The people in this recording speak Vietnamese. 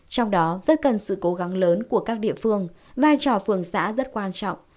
trong đó rất cần sự cố gắng lớn của các địa phương vai trò phường xã rất quan trọng